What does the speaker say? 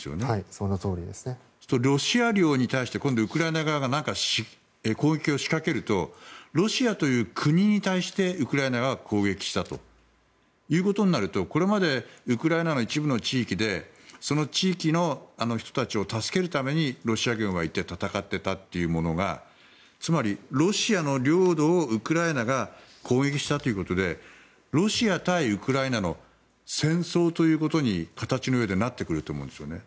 そうするとロシア領に対してウクライナ側が攻撃を仕掛けるとロシアという国に対してウクライナが攻撃したということになるとこれまでウクライナの一部の地域でその地域の人たちを助けるためにロシア軍は戦っていたというのがつまり、ロシアの領土をウクライナが攻撃したということでロシア対ウクライナの戦争ということに形の上でなってくると思うんですね。